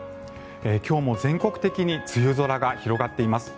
今日も全国的に梅雨空が広がっています。